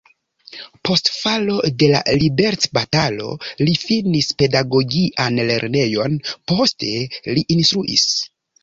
Post falo de la liberecbatalo li finis pedagogian lernejon, poste li instruis.